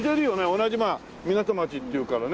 同じ港町っていうからね。